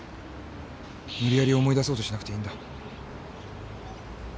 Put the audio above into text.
無理やり思い出そうとしなくていいんだ。